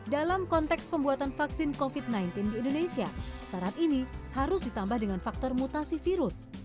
dalam konteks pembuatan vaksin covid sembilan belas di indonesia syarat ini harus ditambah dengan faktor mutasi virus